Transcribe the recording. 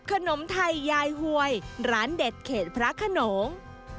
ขนมไทยยายหวยร้านเด็ดเขตพระขนง